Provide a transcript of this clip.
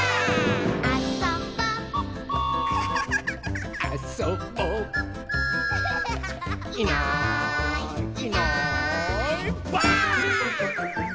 「あそぼ」「あそぼ」「いないいないばあっ！」